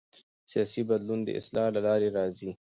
سیاسي بدلون د اصلاح له لارې راځي